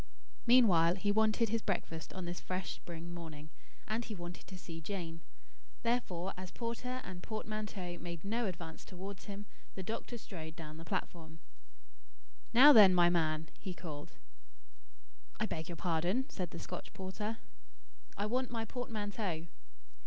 Meanwhile he wanted his breakfast on this fresh spring morning. And he wanted to see Jane. Therefore, as porter and portmanteau made no advance towards him, the doctor strode down the platform. "Now then, my man!" he called. "I beg your pardon?" said the Scotch porter. "I want my portmanteau."